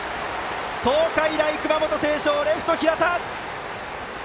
東海大熊本星翔、レフト、平太！